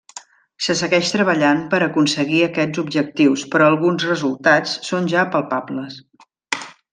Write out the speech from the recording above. Se segueix treballant per aconseguir aquests objectius però alguns resultats són ja palpables.